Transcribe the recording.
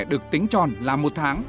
được tính tròn là một tháng